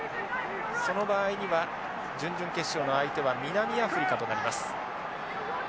その場合には準々決勝の相手は南アフリカとなります。